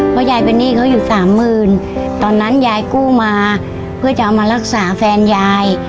เพราะยายเป็นหนี้เขาอยู่สามหมื่นตอนนั้นยายกู้มาเพื่อจะเอามารักษาแฟนยาย